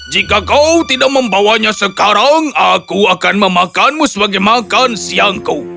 jika kau tidak membawanya sekarang aku akan memakanmu sebagai makan siangku